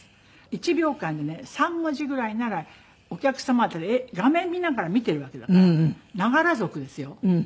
１秒間にね３文字ぐらいならお客様って画面見ながら見ているわけだからながら族ですよ。ね？